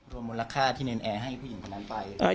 รวมลักค่าที่นั่นแอให้ผู้หญิงคนนั้นไป